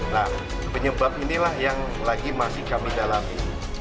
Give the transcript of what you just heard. nah penyebab inilah yang lagi masih kami dalami